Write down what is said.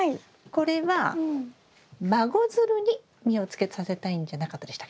これは孫づるに実をつけさせたいんじゃなかったでしたっけ？